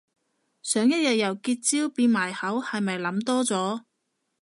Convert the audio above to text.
想一日由結焦變埋口係咪諗多咗